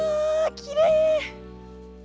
きれい！